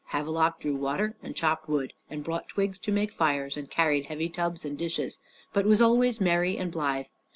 Havelok drew water and chopped wood, and brought twigs to make fires, and carried heavy tubs and dishes, but was always merry and blythe.